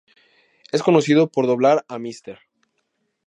Es conocido por doblar a Mr.